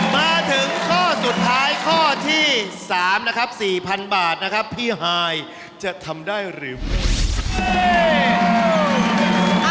มาถึงข้อสุดท้ายข้อที่๓นะครับ๔๐๐๐บาทนะครับพี่ฮายจะทำได้หรือไม่